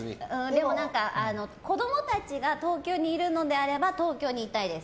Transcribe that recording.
でも、子供たちが東京にいるのであれば東京にいたいです。